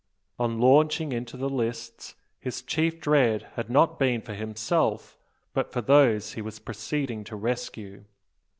On launching into the lists, his chief dread had not been for himself, but for those he was proceeding to rescue.